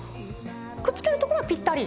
くっつけるところはぴったり？